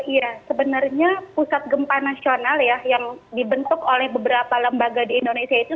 iya sebenarnya pusat gempa nasional ya yang dibentuk oleh beberapa lembaga di indonesia itu